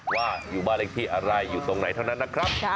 ว่าอยู่บ้านเลขที่อะไรอยู่ตรงไหนเท่านั้นนะครับ